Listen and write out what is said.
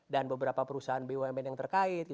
dan beberapa perusahaan bumn yang terkait